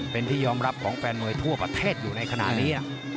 เป็นที่ยอมรับของแฟนมวยทั่วประเทศอยู่ในขณะนี้